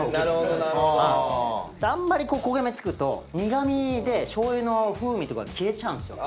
あんまり焦げ目つくと苦味で醤油の風味とか消えちゃうんすよ。